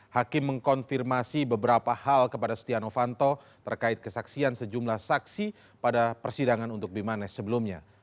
hakim mengkonfirmasi beberapa hal kepada setia novanto terkait kesaksian sejumlah saksi pada persidangan untuk bimanesh sebelumnya